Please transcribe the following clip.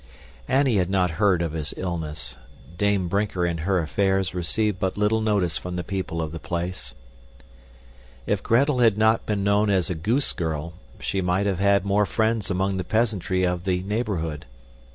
Annie had not heard of his illness. Dame Brinker and her affairs received but little notice from the people of the place. If Gretel had not been known as a goose girl, she might have had more friends among the peasantry of the neighborhood.